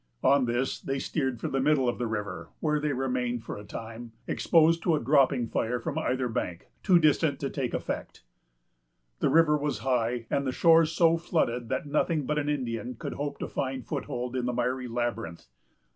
On this, they steered for the middle of the river, where they remained for a time, exposed to a dropping fire from either bank, too distant to take effect. The river was high, and the shores so flooded, that nothing but an Indian could hope to find foothold in the miry labyrinth.